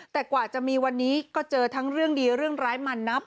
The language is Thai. แต่กว่าจะมีวันนี้ก็เจอทั้งเรื่องดีเรื่องร้ายมันนับ